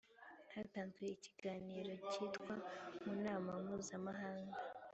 hatanzwe ikiganiro cyitwa mu nama mpuzamahanga